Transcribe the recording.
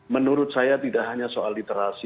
menurut saya tidak hanya soal literasi